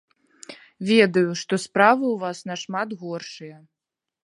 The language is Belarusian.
Ведаю, што справы ў вас нашмат горшыя.